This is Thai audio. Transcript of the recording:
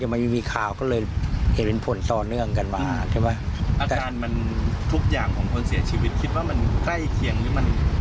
หรือมันเป็นเหมือนคุณฟ้าไหมครับจากข่าว